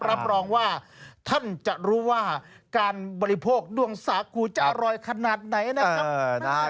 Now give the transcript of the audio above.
รับรองว่าท่านจะรู้ว่าการบริโภคด้วงสากูจะอร่อยขนาดไหนนะครับ